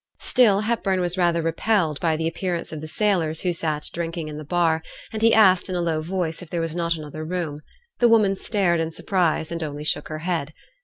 Still Hepburn was rather repelled by the appearance of the sailors who sate drinking in the bar, and he asked, in a low voice, if there was not another room. The woman stared in surprise, and only shook her head.